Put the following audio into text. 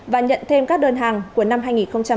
và nhận thêm các đơn hàng của năm hai nghìn hai mươi